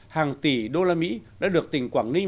hàng tỷ usd đã được tỉnh quảng ninh